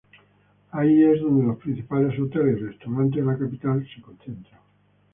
Ahí es donde los principales hoteles y restaurantes de la capital se concentran.